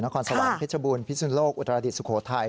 นครสวรรค์พิธชบูรณ์พิศูนย์โลกอุตรดิตสุโขทัย